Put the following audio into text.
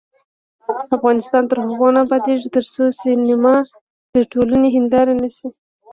افغانستان تر هغو نه ابادیږي، ترڅو سینما د ټولنې هنداره نشي.